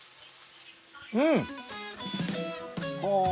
うん！